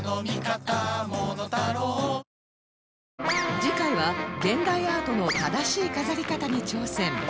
次回は現代アートの正しい飾り方に挑戦